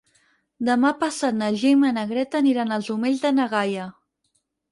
Demà passat na Gemma i na Greta aniran als Omells de na Gaia.